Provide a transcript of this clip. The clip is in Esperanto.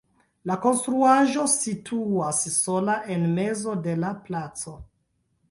La konstruaĵo situas sola en mezo de la placo.